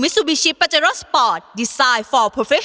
สวัสดีค่ะ